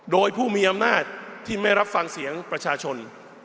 โดยผู้มีอำนาจที่ไม่รับฟังเสียงประชาชน